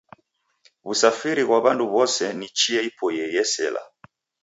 W'usafiri ghwa w'andu w'ose ni chia ipoiye yesela.